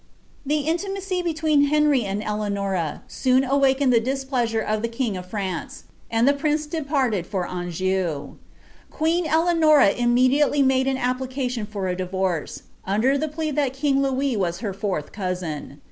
The intimacy between Henry and Eleanora soon awakened the dis pleasure of the king of France, and the prince departed for Anjou. Qpeen Eleanora imn^diately made an application for a divorce, under the plea that king Louis was her fourth cousin.